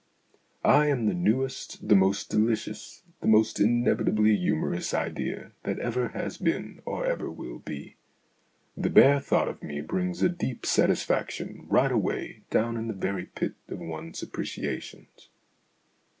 I am the newest, the most delicious, the most inevitably humorous idea that ever has been or ever will be. The bare thought of me brings a deep satisfaction right away down in the very pit of one's appreciations.